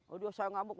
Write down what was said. oh dia usah ngamuk